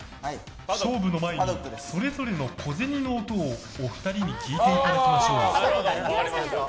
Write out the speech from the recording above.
勝負の前にそれぞれの小銭の音をお二人に聞いていただきましょう。